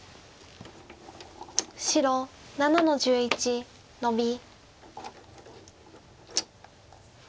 白７の十一ノビ。